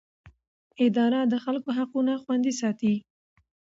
اداره د خلکو حقونه خوندي ساتي.